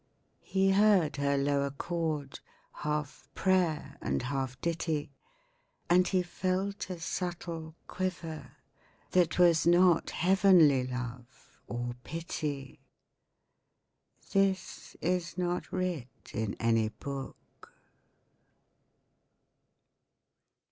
He heard her low accord. Half prayer and half ditty. And he felt a subtle quiver. That was not heavenly love. Or pity. This is not writ In any book.